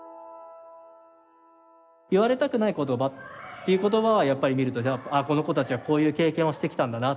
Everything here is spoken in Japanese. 言われたくない言葉っていう言葉はやっぱり見ると「ああこの子たちはこういう経験してきたんだな」